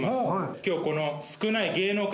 今日この。